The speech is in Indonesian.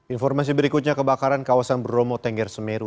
informasi berikutnya kebakaran kawasan bromo tengger semeru